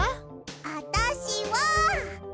あたしは。